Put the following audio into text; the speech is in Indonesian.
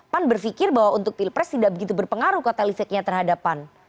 pan berfikir bahwa untuk tilek pres tidak begitu berpengaruh kotil efeknya terhadap pan